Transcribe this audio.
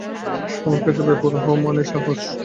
তোমার কাছে বেপরোয়া হওয়া মানেই সাহস।